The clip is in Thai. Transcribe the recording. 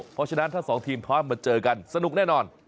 เพราะฉะนั้นทั้งสองทีมพร้อมมาเจอกันสนุกแน่นอน